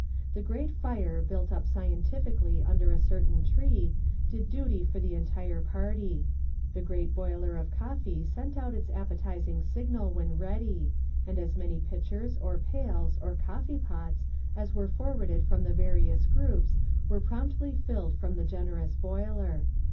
The great fire, built up scientifically under a certain tree, did duty for the en tire party. The great boiler of coffee sent out its appetizing signal when ready, and as many pitchers, or pails, or coffi e pots, as were forwarded from the various groups were promptly filled from the generous boiler.